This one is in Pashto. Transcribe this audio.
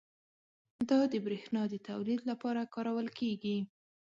دا د بریښنا د تولید لپاره کارول کېږي.